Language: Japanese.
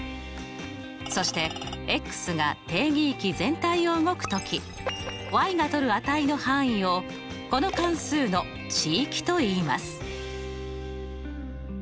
そしてが定義域全体を動くときがとる値の範囲をこの関数の値域といいます。